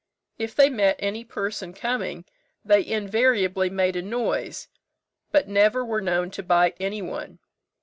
If they met any person coming, they invariably made a noise, but never were known to bite any one.